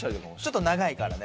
ちょっと長いからね。